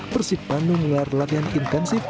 persib bandung menggelar latihan intensif